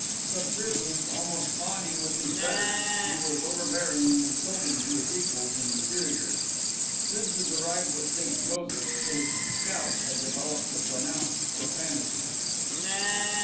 Subservient, almost fawning with his betters, he was overbearing and insulting to his equals and inferiors: since his arrival at St. Joseph's his "scout" had developed a pronounced profanity.